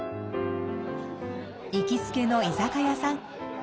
行きつけの居酒屋さん。